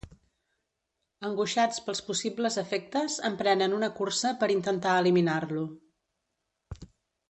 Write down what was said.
Angoixats pels possibles efectes emprenen una cursa per intentar eliminar-lo.